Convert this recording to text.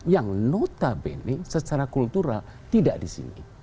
yang notabene secara kultural tidak di sini